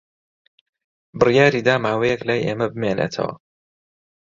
بڕیاری دا ماوەیەک لای ئێمە بمێنێتەوە.